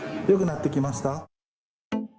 よくなってきました？